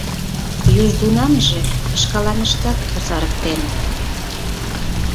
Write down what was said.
Южгунамже шкаланыштат кусарыктеныт.